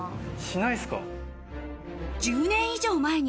しないですか？